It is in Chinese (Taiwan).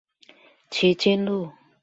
旗津路